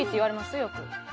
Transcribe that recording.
よく。